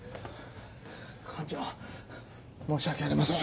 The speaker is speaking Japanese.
館長申し訳ありません。